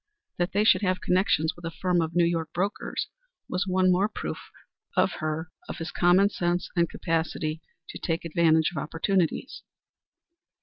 That he should have connections with a firm of New York brokers was one more proof to her of his common sense and capacity to take advantage of opportunities.